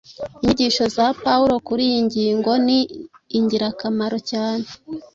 Inyigisho za Pawulo kuri iyi ngingo ni ingirakamaro cyane